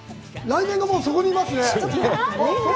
来年がそこにいますね！